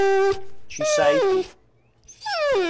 Ci sei tu